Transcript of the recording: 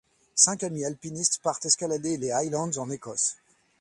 Cinq amis alpinistes partent escalader les Highlands en Écosse.